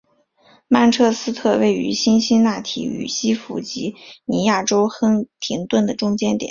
曼彻斯特位于辛辛那提与西弗吉尼亚州亨廷顿的中间点。